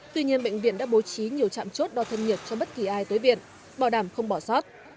tuy nhiên bệnh viện đã bố trí nhiều trạm chốt đo thân nhiệt cho bất kỳ ai tới viện bảo đảm không bỏ sót